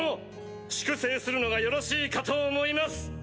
粛清するのがよろしいかと思います。